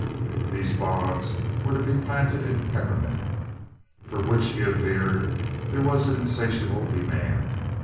These bogs were to be planted in peppermint, for which, he averred, there was an insatiable demand.